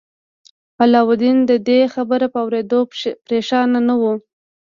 علاوالدین د دې خبر په اوریدو پریشان نه شو.